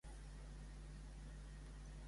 Què ha proposat JxCat sobre les detencions?